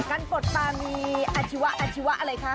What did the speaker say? การปลดปลามีอจิวะอจิวะอะไรคะ